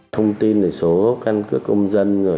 thông tin về số cân cướp công dân rồi